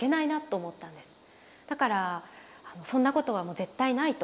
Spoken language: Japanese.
だからそんなことはもう絶対ないと。